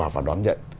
và đón nhận